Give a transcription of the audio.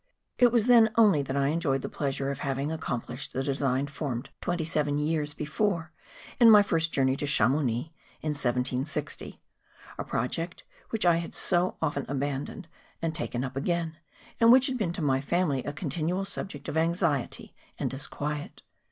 It was then only that I enjoyed the pleasure of having accomplished the design formed twenty seven years before, in my first journey to Chamounix, in 1760 ; a project which I had so often abandoned and taken up again, and which had been to my family a continual subject of anxiety and disquiet.